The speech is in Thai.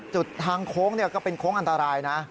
ทางโค้งก็เป็นโค้งอันตรายนะ